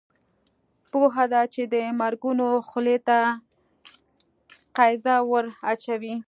پوهه ده چې د مرګونو خولې ته قیضه ور اچوي.